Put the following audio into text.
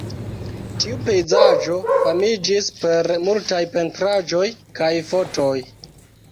Tiu pejzaĝo famiĝis per multaj pentraĵoj kaj fotoj.